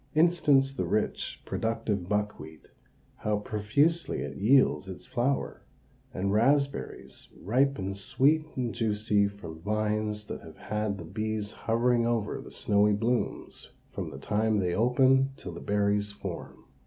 Instance the rich, productive buckwheat, how profusely it yields its flower; and raspberries ripen sweet and juicy from vines that have had the bees hovering over the snowy blooms from the time they open till the berries form.